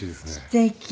すてき。